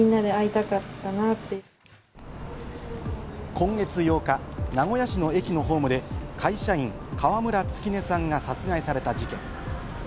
今月８日、名古屋市の駅のホームで会社員・川村月音さんが殺害された事件。